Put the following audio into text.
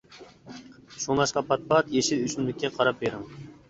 شۇڭلاشقا پات-پات يېشىل ئۆسۈملۈككە قاراپ بېرىڭ.